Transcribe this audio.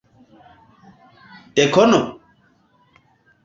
Dekono?